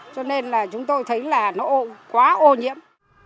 cho nên là chúng tôi thấy là nó quá ô nhiễm